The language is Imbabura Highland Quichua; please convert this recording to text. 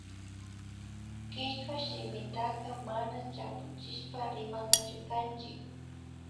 Kichwa shimitaka mana chapuchishpa rimanachu kanchik